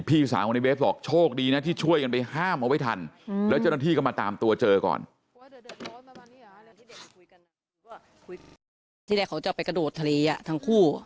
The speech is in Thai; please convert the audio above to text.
พี่สาวครัวในเบซบอกโชคดีนะที่ช่วยกันไปห้ามเอาไปทัน